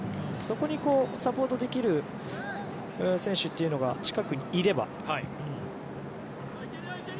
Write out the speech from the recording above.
そこにサポートできる選手が近くにいれば。